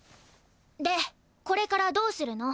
でこれからどうするの？